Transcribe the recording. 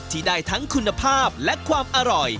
ที่ได้ทั้งคุณภาพและความอร่อย